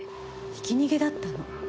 ひき逃げだったの。